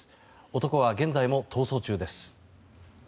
男は現在も逃走中です。